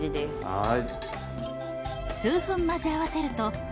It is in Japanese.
はい。